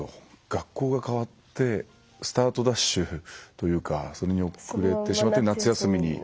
学校が変わってスタートダッシュというかそれに遅れてしまって夏休みに。